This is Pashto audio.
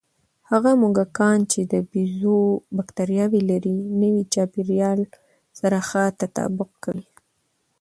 هغه موږکان چې د بیزو بکتریاوې لري، نوي چاپېریال سره ښه تطابق کوي.